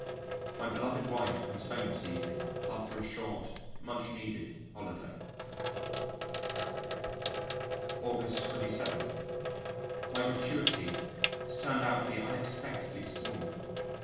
My beloved wife comes home this evening after a short, much needed holiday. August 27. My gratuity has turned out to be unexpectedly small.